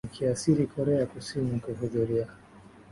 wakiasiri korea kusini kuhudhuria